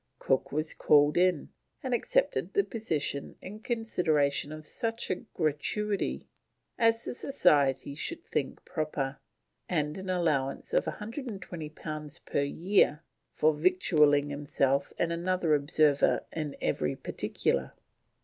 Cook was called in, and accepted the position in consideration of such a gratuity as the Society should think proper, and an allowance of 120 pounds per year "for victualling himself and another observer in every particular."